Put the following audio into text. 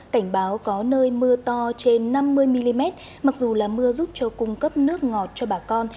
cảnh báo có nơi mưa to trên năm mươi mm mặc dù là mưa giúp cho cung cấp nước ngọt cho bà con